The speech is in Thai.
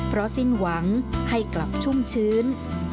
เพราะสิ้นหวังให้กลับชุ่มชื้น